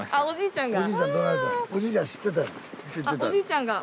おじいちゃん